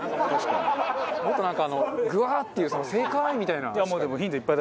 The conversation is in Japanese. もっとなんかあのグワーっていう「正解！」みたいな。